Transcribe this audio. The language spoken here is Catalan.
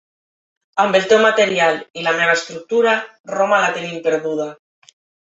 Amb el teu material i la meva estructura, Roma la tenim perduda.